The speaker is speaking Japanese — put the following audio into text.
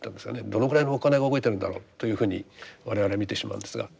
どのぐらいのお金が動いてるんだろうというふうに我々見てしまうんですが。